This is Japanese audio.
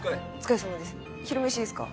昼飯ですか？